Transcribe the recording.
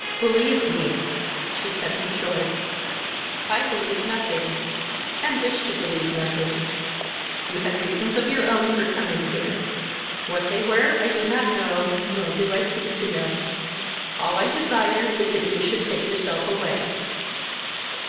"Believe me " She cut him short. "I believe nothing and wish to believe nothing. You had reasons of your own for coming here; what they were I do not know, nor do I seek to know. All I desire is that you should take yourself away."